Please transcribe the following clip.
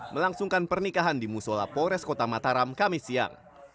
melangsungkan pernikahan di musola pores kota mataram kamis siang